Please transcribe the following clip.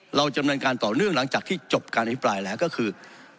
เราจำเนินการต่อเนื่องหลังจากที่จบการอภิปรายแล้วก็คือ